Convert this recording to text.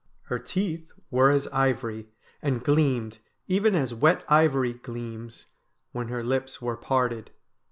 Her teeth were as ivory, and gleamed, even as wet ivory gleams, when her lips were parted.